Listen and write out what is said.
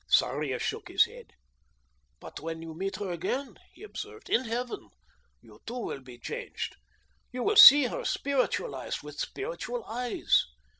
Sarria shook his head. "But when you meet her again," he observed, "in Heaven, you, too, will be changed. You will see her spiritualised, with spiritual eyes.